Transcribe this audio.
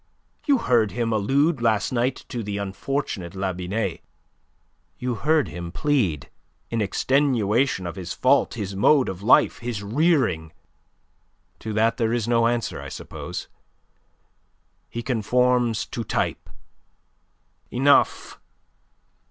You heard him allude last night to the unfortunate La Binet. You heard him plead, in extenuation of his fault, his mode of life, his rearing. To that there is no answer, I suppose. He conforms to type. Enough!